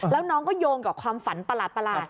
แล้วน้องก็โยงกับความฝันปลาลาปลาลาย